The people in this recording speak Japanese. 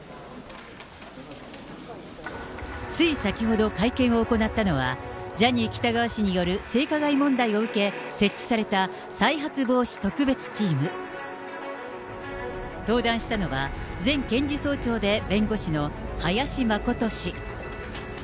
つい先ほど会見を行ったのは、ジャニー喜多川氏による性加害問題を受け、設置された、再発防止特別チーム。登壇したのは前検事総長で弁護士の林眞琴氏。